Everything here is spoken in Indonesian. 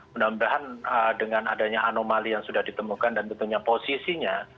mudah mudahan dengan adanya anomali yang sudah ditemukan dan tentunya posisinya